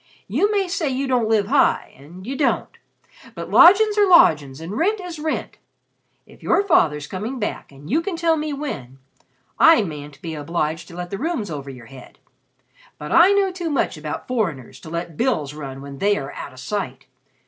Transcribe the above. You may say you don't live high and you don't but lodgin's are lodgin's and rent is rent. If your father's coming back and you can tell me when, I mayn't be obliged to let the rooms over your heads; but I know too much about foreigners to let bills run when they are out of sight.